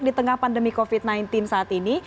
di tengah pandemi covid sembilan belas saat ini